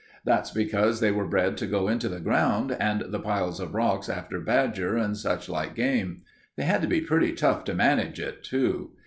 That's because they were bred to go into the ground and the piles of rocks after badger and such like game. They had to be pretty tough to manage it, too.